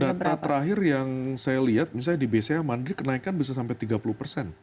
data terakhir yang saya lihat misalnya di bca mandiri kenaikan bisa sampai tiga puluh persen